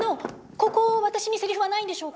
ここ私にセリフはないんでしょうか？